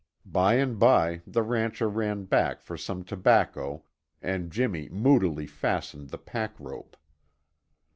By and by the rancher ran back for some tobacco and Jimmy moodily fastened the pack rope.